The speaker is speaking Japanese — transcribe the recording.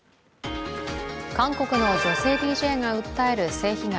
韓国の女性ＤＪが訴える性被害。